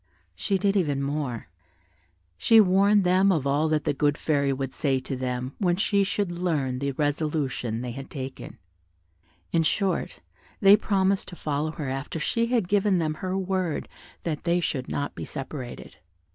She did even more, she warned them of all that the good fairy would say to them when she should learn the resolution they had taken: in short, they promised to follow her after she had again given them her word that they should not be separated.